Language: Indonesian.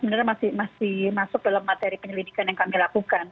sebenarnya masih masuk dalam materi penyelidikan yang kami lakukan